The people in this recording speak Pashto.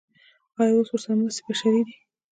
آیا اوس مرستې بشري دي؟